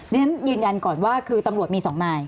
เรียนยืนยันก่อนว่าคือตำรวจมี๒นาย